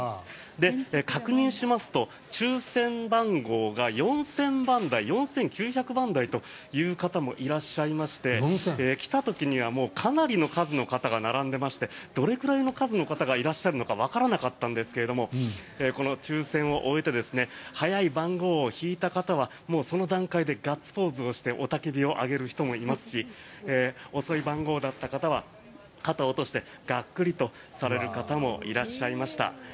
確認しますと抽選番号が４０００番台４９００番台という方もいらっしゃいまして来た時にはかなりの数の方が並んでましてどれくらいの数の方がいらっしゃるのかわからなかったんですがこの抽選を終えて早い番号を引いた方はその段階でガッツポーズをして雄たけびを上げる人もいますし遅い番号だった方は肩を落としてがっくりとされる方もいらっしゃいました。